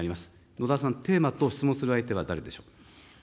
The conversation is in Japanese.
野田さん、テーマと質問する相手は誰でしょう。